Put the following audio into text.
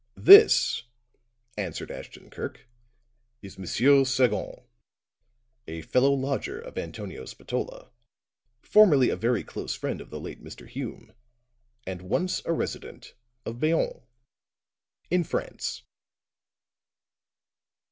"This," answered Ashton Kirk, "is M. Sagon, a fellow lodger of Antonio Spatola, formerly a very close friend of the late Mr. Hume, and once a resident of Bayonne, in France."